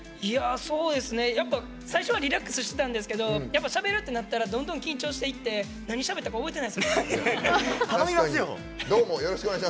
最初はリラックスしてたんですけどしゃべるってなったらだんだん緊張してきて何しゃべってるか覚えてないです。